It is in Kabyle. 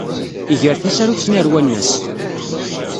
Iger tasarut-nni ɣer wannas.